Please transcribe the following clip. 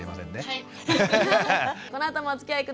はい。